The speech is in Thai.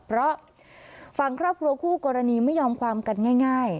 เพราะฝั่งครอบครัวคู่กรณีไม่ยอมความกันง่าย